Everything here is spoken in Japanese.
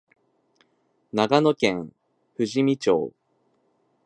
長野県富士見町